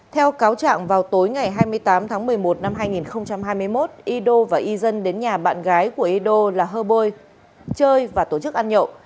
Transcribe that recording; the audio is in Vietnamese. theo cáo trạng vào tối ngày hai mươi tám tháng một mươi một năm hai nghìn hai mươi một ido và izan đến nhà bạn gái của ido là hơ bôi chơi và tổ chức ăn nhậu